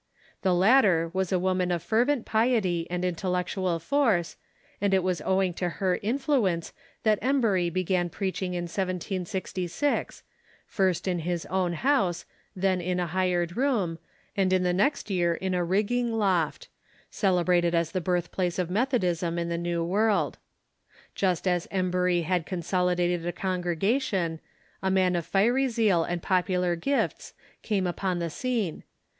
The latter was a woman of fervent piety and intellectual force, and it was owing to her influence that Embury began preaching in 1766, first in his own house, then in a hired room, and in the next year in a rigging loft — celebrated as the birthplace of Methodism in the New World. Just as Emburj^ had consolidated a congrega tion, a man of fiery zeal and popular gifts came upon the scene.